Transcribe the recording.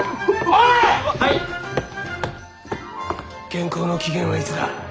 原稿の期限はいつだ？